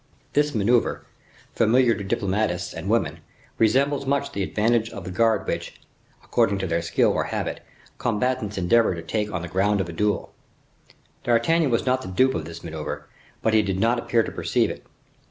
This maneuver, familiar to diplomatists and women, resembles much the advantage of the guard which, according to their skill or habit, combatants endeavor to take on the ground at a duel. D'Artagnan was not the dupe of this maneuver; but he did not appear to perceive it.